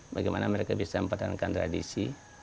bagaimana mereka bisa mempertahankan tradisi